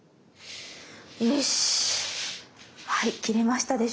よし。